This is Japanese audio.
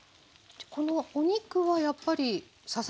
このお肉はやっぱりささ身がいいですか？